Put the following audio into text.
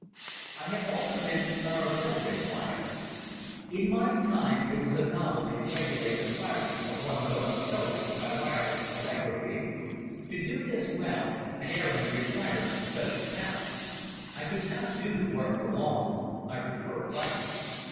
I have also been an artillery flier. In my time it was a novelty to regulate the firing of one's own artillery by wireless telegraphy. To do this well an airman requires special talent. I could not do the work for long. I prefer fighting.